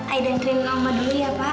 ayo dan krim lama dulu ya pak